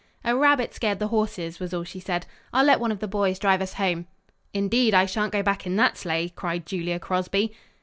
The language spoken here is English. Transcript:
"A rabbit scared the horses," was all she said. "I'll let one of the boys drive us home." "Indeed, I shan't go back in that sleigh," cried Julia Crosby.